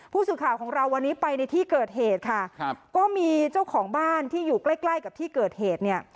ผู้สื่อข่าวของเราวันนี้ไปในที่เกิดเหตุค่ะครับก็มีเจ้าของบ้านที่อยู่ใกล้ใกล้กับที่เกิดเหตุเนี่ย